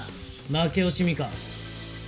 負け惜しみか？